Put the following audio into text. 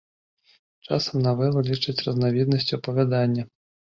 Часам навелу лічаць разнавіднасцю апавядання.